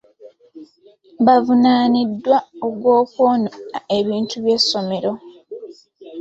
Baavunaaniddwa ogw'okwonoona ebintu by'essomero.